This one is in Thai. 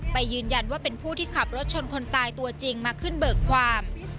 ไปยืนยันว่าเป็นผู้ที่ขับรถชนคนตายตัวจริงมาขึ้นเบิกความ